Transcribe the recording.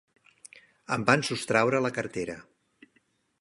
Em van sostreure la cartera.